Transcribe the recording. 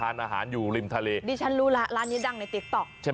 อุ๊ยหรอโอ๊ยดิฉันไปเลยได้มั้ย